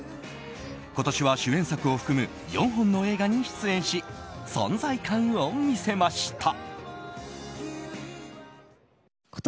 今年は主演作を含む４本の映画に出演し存在感を見せました。